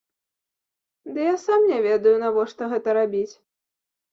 Ды я сам не ведаю, навошта гэта рабіць.